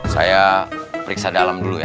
saya periksa dalam dulu ya